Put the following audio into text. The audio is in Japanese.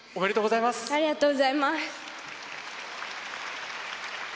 ありがとうございます。